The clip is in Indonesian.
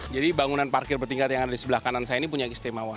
jadi bangunan parkir bertingkat yang ada di sebelah kanan saya ini punya istimewa